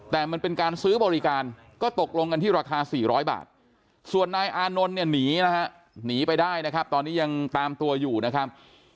แต่มันเป็นการซื้อบริการก็ตกลงกันที่ราคา๔๐๐บาทส่วนนายอานนท์เนี่ยหนีนะฮะหนีไปได้นะครับตอนนี้ยังตามตัวอยู่นะครับ